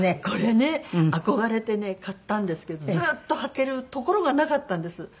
これね憧れてね買ったんですけどずっと履けるところがなかったんです。